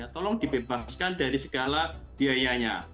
tolong dibebaskan dari segala biayanya